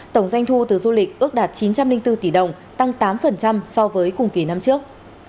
tổng doanh thu từ du lịch ước đạt chín trăm linh bốn tỷ đồng tăng tám so với cùng kỳ năm trước